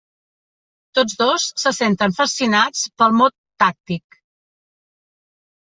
Tots dos se senten fascinats pel mot «tàctic».